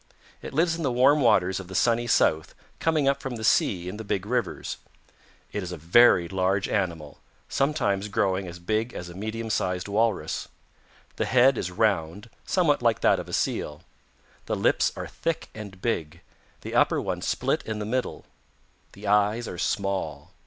It lives in the warm waters of the Sunny South, coming up from the sea in the big rivers. It is a very large animal, sometimes growing as big as a medium sized Walrus. The head is round, somewhat like that of a Seal. The lips are thick and big, the upper one split in the middle. The eyes are small.